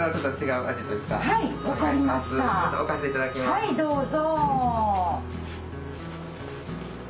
はいどうぞ。